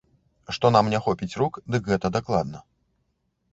Што нам не хопіць рук, дык гэта дакладна.